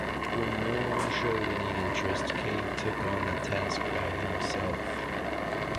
When no one showed any interest, Cave took on the task by himself.